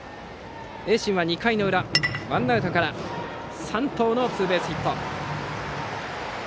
盈進は２回の裏、ワンアウトから山藤のツーベースヒット。